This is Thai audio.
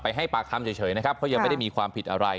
ให้ปากคำเฉยนะครับเพราะยังไม่ได้มีความผิดอะไร